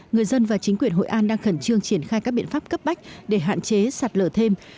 người dân và chính quyền hội an đang khẩn trương triển khai các biện pháp cấp bách để hạn chế sạt lở thêm